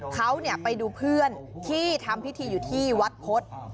เขาไปดูเพื่อนที่ทำพิธีอยู่ที่วัดพฤษ